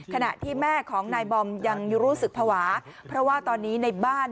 ขณะที่แม่ของนายบอมยังรู้สึกภาวะเพราะว่าตอนนี้ในบ้าน